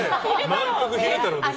まんぷく昼太郎ですよ。